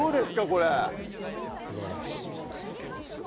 これすばらしいと思います